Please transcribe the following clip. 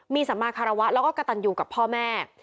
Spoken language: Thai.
มีสมาคารวะแล้วก็กระตันอยู่กับพ่อแม่